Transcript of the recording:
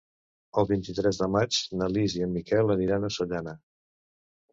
El vint-i-tres de maig na Lis i en Miquel aniran a Sollana.